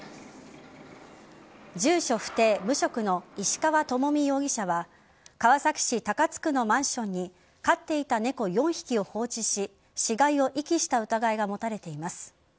住所不定・無職の石川朋美容疑者は川崎市高津区のマンションに飼っていた猫４匹を放置し死骸を遺棄した疑いが持たれています。